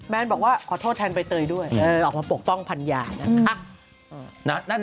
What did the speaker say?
แนนบอกว่าขอโทษแทนใบเตยด้วยออกมาปกป้องภรรยานะคะ